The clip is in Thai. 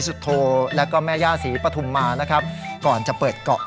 โทแล้วก็แม่ย่าศรีปฐุมมานะครับก่อนจะเปิดเกาะ